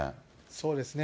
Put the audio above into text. そうですね。